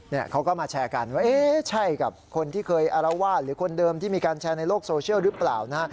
เขาก็มาแชร์กันว่าเอ๊ะใช่กับคนที่เคยอารวาสหรือคนเดิมที่มีการแชร์ในโลกโซเชียลหรือเปล่านะฮะ